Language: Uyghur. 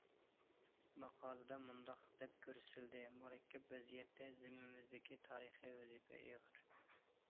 ماقالىدا مۇنداق دەپ كۆرسىتىلدى: مۇرەككەپ ۋەزىيەتتە زىممىمىزدىكى تارىخىي ۋەزىپە ئېغىر.